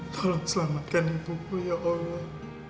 tolong selamatkan ibu bu ya allah